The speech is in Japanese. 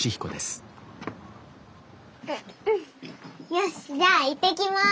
よしじゃあ行ってきます！